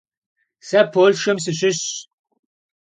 Сэ Полъшэм сыщыщщ.